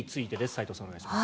斎藤さん、お願いします。